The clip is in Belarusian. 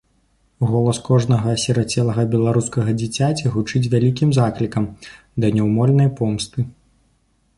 Голас кожнага асірацелага беларускага дзіцяці гучыць вялікім заклікам да няўмольнай помсты.